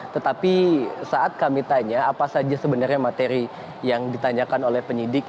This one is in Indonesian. tetapi saat kami tanya apa saja sebenarnya materi yang ditanyakan oleh penyidik